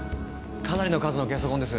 かなりの数のゲソ痕です。